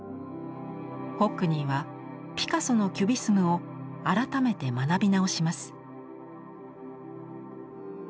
ホックニーはピカソのキュビスムを改めて学び直します。